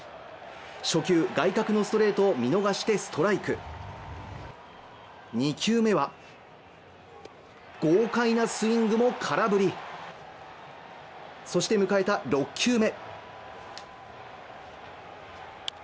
初球外角のストレートを見逃してストライク２球目は豪快なスイングも空振りそして迎えた６球目